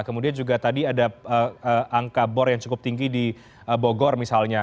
kemudian juga tadi ada angka bor yang cukup tinggi di bogor misalnya